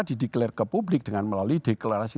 dideklarasi ke publik dengan melalui deklarasi